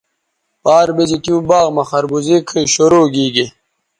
پار بیزی تیوں باغ مہ خربوزے کھئ شروع گیگے